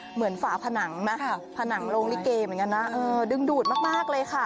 เหมือนฝ่าผนังนะครับผนังโรงลิเกย์เหมือนกันนะเออดึงดูดมากเลยค่ะ